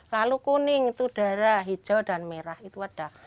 lalu kuning itu darah hijau dan merah itu ada